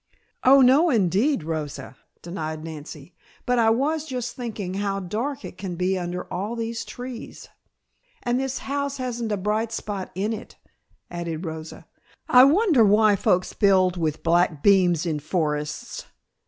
"Oh, no indeed, Rosa," denied Nancy. "But I was just thinking how dark it can be under all these trees." "And this house hasn't a bright spot in it," added Rosa. "I wonder why folks build with black beams in forests?